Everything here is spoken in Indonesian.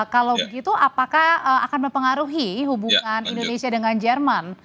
kalau begitu apakah akan mempengaruhi hubungan indonesia dengan jerman